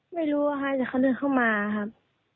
ไม่รู้ว่าใครจะเข้าเดินเข้ามาครับ